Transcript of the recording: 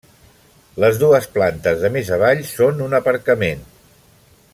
Les dues plantes de més avall són un aparcament.